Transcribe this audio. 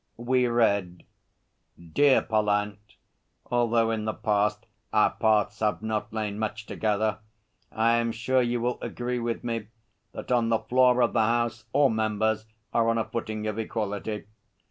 We read: DEAR PALLANT Although in the past our paths have not lain much together, I am sure you will agree with me that on the floor of the House all members are on a footing of equality.